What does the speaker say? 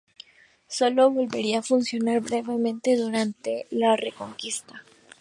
Sólo volvería a funcionar brevemente durante la Reconquista.